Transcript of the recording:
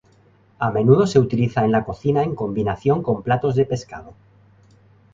A menudo se utiliza en la cocina en combinación con platos de pescado.